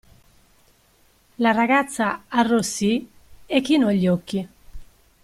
La ragazza arrossì e chinò gli occhi.